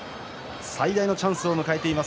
最大のチャンスを迎えています